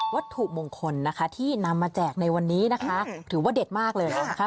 วัตถุมงคลนะคะที่นำมาแจกในวันนี้นะคะถือว่าเด็ดมากเลยนะคะ